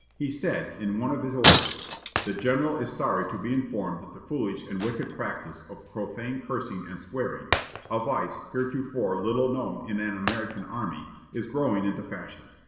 He said, in one of his orders: "The general is sorry to be informed that the foolish and wicked practice of profane cursing and swearing a vice heretofore little known in an American army is growing into fashion.